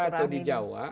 di madura atau di jawa